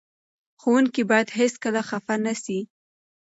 ښوونکي باید هېڅکله خفه نه سي.